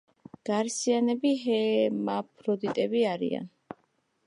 გარსიანები ჰერმაფროდიტები არიან.